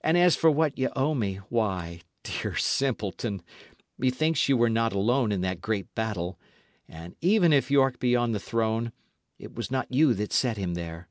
And as for what ye owe me, why, dear simpleton, methinks ye were not alone in that great battle; and even if York be on the throne, it was not you that set him there.